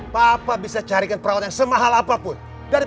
papa bisa carikan perawat yang semahal apapun daripada dia